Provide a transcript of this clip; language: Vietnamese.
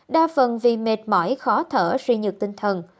đa phần vì mệt mỏi khó thở suy nhược tinh thần